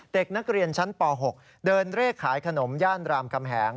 เด็กนักเรียนชั้นป๖เดินเลขขายขนมย่านรามคำแหง